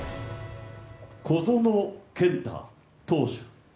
小園健太投手。